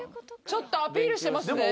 ちょっとアピールしてますね。